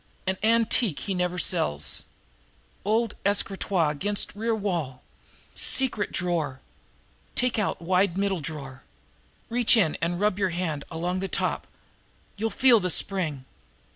"An antique he never sells old escritoire against rear wall secret drawer take out wide middle drawer reach in and rub your hand along the top you'll feel the spring.